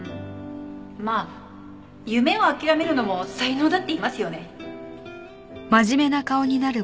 まあ夢を諦めるのも才能だって言いますよね。